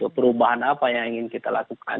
perubahan apa yang ingin kita lakukan